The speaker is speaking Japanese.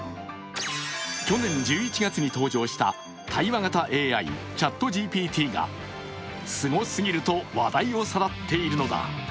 去年１１月に登場した対話型ＡＩ、ＣｈａｔＧＰＴがすごすぎると話題をさらっているのだ。